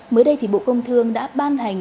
mới đây thì bộ công thương đã ban hành